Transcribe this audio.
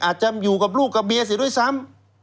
อาจจะอยู่กับลูกกับเมียเสียด้วยซ้ำ